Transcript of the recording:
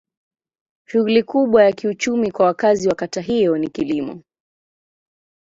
Shughuli kubwa ya kiuchumi kwa wakazi wa kata hiyo ni kilimo.